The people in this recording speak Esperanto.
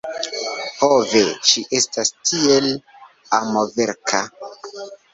Ho ve! Ŝi estas tiel amorveka!!!